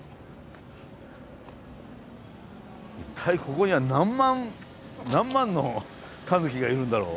一体ここには何万のタヌキがいるんだろう。